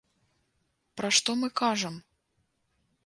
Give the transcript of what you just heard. Пра што мы кажам?